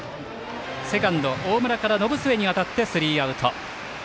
セカンド大村から延末にわたってスリーアウト。